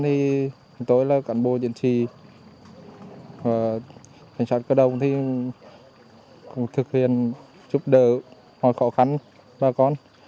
thì hôm tối là cán bộ chiến sĩ và cảnh sát cơ động thì cũng thực hiện giúp đỡ mọi khó khăn bà con